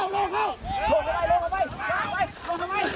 กลับไป